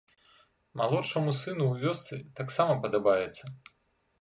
Малодшаму сыну ў вёсцы таксама падабаецца.